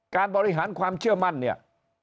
การบริหารความเชื่อมั่นเนี่ย